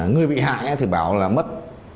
người bị hại thì bảo là mất